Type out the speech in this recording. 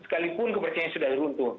sekalipun kepercayaan sudah runtuh